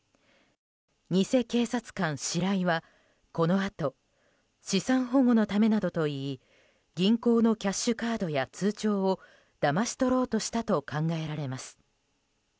偽警察官、シライはこのあと資産保護のためなどと言い銀行のキャッシュカードや通帳をだまし取ろうとしたと考えられます。